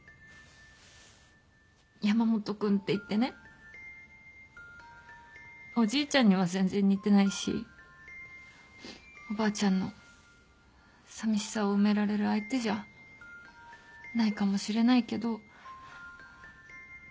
山本君っていってねおじいちゃんには全然似てないしおばあちゃんのさみしさを埋められる相手じゃないかもしれないけど。